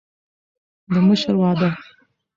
د مشر وعده